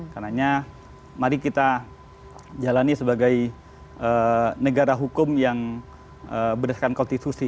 karena mari kita jalani sebagai negara hukum yang berdasarkan konstitusi